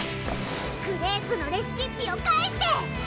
クレープのレシピッピを返して！